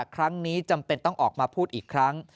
ครั้งนี้จำเป็นต้องออกมาพูดอีกครั้ง